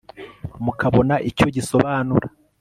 mukabona icyo gisobanura